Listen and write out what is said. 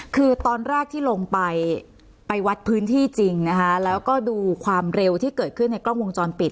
คือตอนแรกที่ลงไปไปวัดพื้นที่จริงนะคะแล้วก็ดูความเร็วที่เกิดขึ้นในกล้องวงจรปิด